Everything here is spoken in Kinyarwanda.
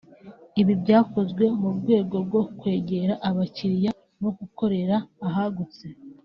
Ibi byakozwe mu rwego rwo kwegera abakiriya no gukorera ahagutse